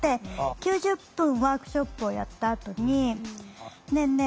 ９０分ワークショップをやったあとに「ねえねえ